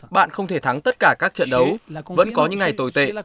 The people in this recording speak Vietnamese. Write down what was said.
bạn không thể thắng tất cả các trận đấu vẫn có những ngày tồi tệ